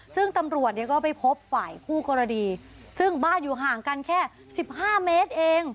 ซึ่งตำรวจเนี่ยก็ไปพบฝ่ายคู่กรณีซึ่งบ้านอยู่ห่างกันแค่สิบห้าเมตรเอง